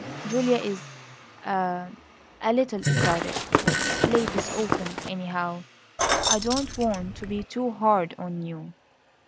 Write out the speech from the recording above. Julia is a a little excited; ladies often anyhow, I don't want to be too hard on you."